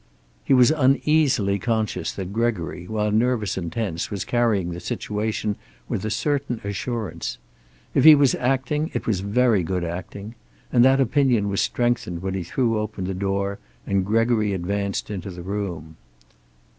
He was uneasily conscious that Gregory, while nervous and tense, was carrying the situation with a certain assurance. If he was acting it was very good acting. And that opinion was strengthened when he threw open the door and Gregory advanced into the room.